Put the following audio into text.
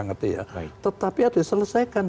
ngerti ya tetapi diselesaikan